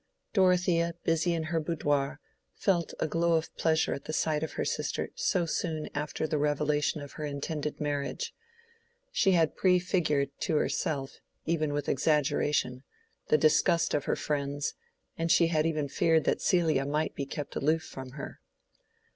Dorothea, busy in her boudoir, felt a glow of pleasure at the sight of her sister so soon after the revelation of her intended marriage. She had prefigured to herself, even with exaggeration, the disgust of her friends, and she had even feared that Celia might be kept aloof from her.